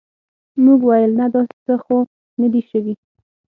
موږ ویل نه داسې څه خو نه دي شوي.